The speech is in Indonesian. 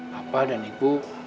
bapak dan ibu